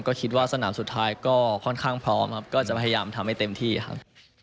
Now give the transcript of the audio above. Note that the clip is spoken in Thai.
ก็คิดว่าสนามสุดท้ายก็ค่อนข้างพร้อมครับก็จะพยายามทำให้เต็มที่ครับ